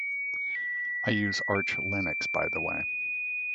I use Arch Linux by the way.